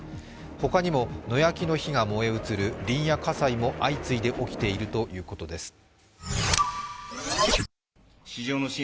ほかにも野焼きの火が燃え移る林野火災も相次いで起きているということです。